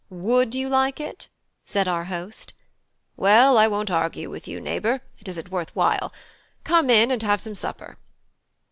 "Would you like it?" said our host. "Well, I won't argue with you, neighbour; it isn't worth while. Come in and have some supper."